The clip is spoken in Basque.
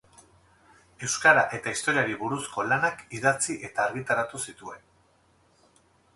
Euskara eta Historiari buruzko lanak idatzi eta argitaratu zituen.